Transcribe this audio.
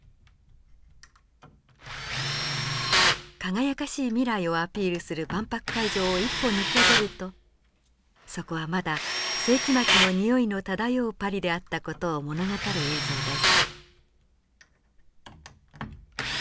輝かしい未来をアピールする万博会場を一歩抜け出るとそこはまだ世紀末のにおいの漂うパリであった事を物語る映像です。